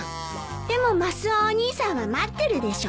でもマスオお兄さんは待ってるでしょ？